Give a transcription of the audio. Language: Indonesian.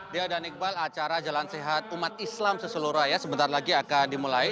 dia dan iqbal acara jalan sehat umat islam seseluruh raya sebentar lagi akan dimulai